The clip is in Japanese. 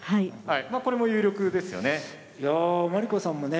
まこれも有力ですよね。